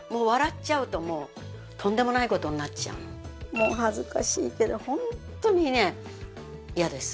もう恥ずかしいけどホントにね嫌です。